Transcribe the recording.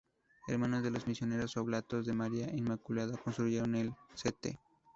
Hermanos de los Misioneros Oblatos de María Inmaculada construyeron el "St.